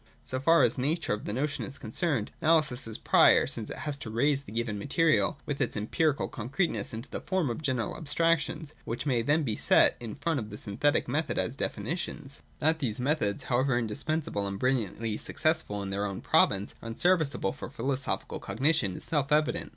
So far as the nature of the notion is concerned, analysis is prior ; since it has to raise the given material with its empirical concreteness into the form of general abstrac tions, which may then be set in the front of the synthe tical method as definitions. 231.J SCIENTIFIC METHODS. 369 That these methods, however indispensable and bril liantly successful in their own province, are unservice able for philosophical cognition, is self evident.